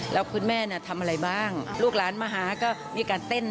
แล้วคุณแม่ทำอะไรบ้างลูกหลานมาหาก็มีการเต้น